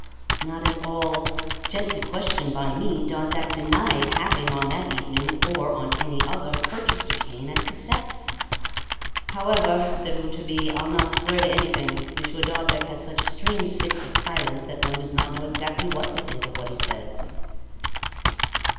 "Not at all. Gently questioned by me, Darzac denied having, on that evening, or on any other, purchased a cane at Cassette's. However," said Rouletabille, "I'll not swear to anything; Monsieur Darzac has such strange fits of silence that one does not know exactly what to think of what he says."